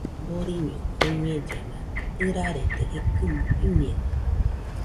Boriño oñellena, ɨrarede ekɨmo iñeno